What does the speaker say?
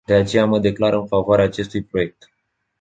De aceea, mă declar în favoarea acestui proiect.